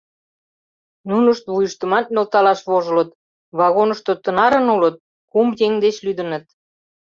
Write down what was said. Нунышт вуйыштымат нӧлталаш вожылыт: вагонышто тынарын улыт — кум еҥ деч лӱдыныт.